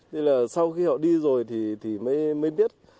nên là sau khi họ đi rồi thì mới biết